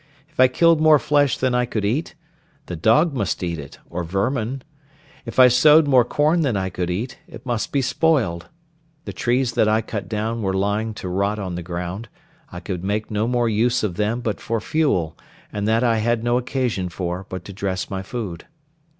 If I killed more flesh than I could eat, the dog must eat it, or vermin; if I sowed more corn than I could eat, it must be spoiled; the trees that I cut down were lying to rot on the ground; I could make no more use of them but for fuel, and that I had no occasion for but to dress my food.